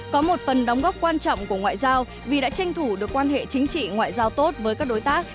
có một phần đóng góp quan trọng của ngoại giao vì đã tranh thủ được quan hệ chính trị ngoại giao tốt với các đối tác